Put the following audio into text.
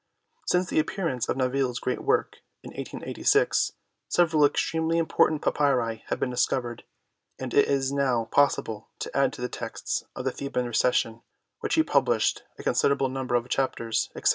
Since the appearance of Naville's great work in 1886 several extremely important papyri have been discovered, and it is now possible to add to the texts of the Theban Recension which he published a con siderable number of Chapters, etc.